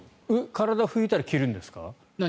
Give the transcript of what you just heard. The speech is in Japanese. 体を拭いたら着るんですか？